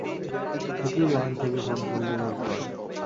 Secure line থেকে phone করলে বলতে পারি।